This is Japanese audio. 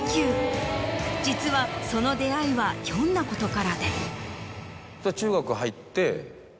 実はその出合いはひょんなことからで。